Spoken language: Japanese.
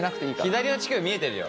左の乳首見えてるよ。